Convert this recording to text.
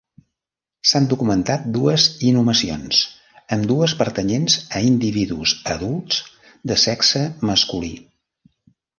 S'han documentat dues inhumacions, ambdues pertanyents a individus adults de sexe masculí.